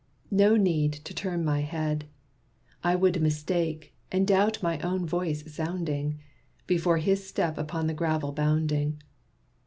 No need to turn my head; I would mistake, and doubt my own voice sounding, Before his step upon the gravel bounding.